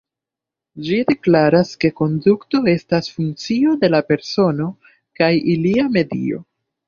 Ĝi deklaras ke konduto estas funkcio de la persono kaj ilia medio.